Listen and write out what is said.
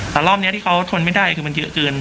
แต่รอบนี้ที่เขาทนไม่ได้คือมันเยอะเกิน